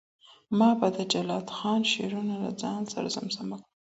ما به د جلات خان شعرونه له ځان سره زمزمه کول.